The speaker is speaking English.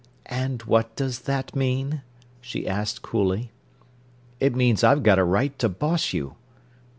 "And what does that mean?" she asked coolly. "It means I've got a right to boss you."